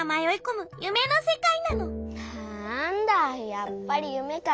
やっぱりゆめか。